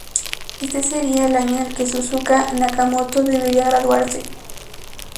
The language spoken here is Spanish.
Este sería el año en que Suzuka Nakamoto debería graduarse.